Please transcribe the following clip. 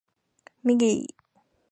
ミギー